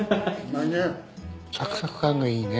サクサク感がいいね。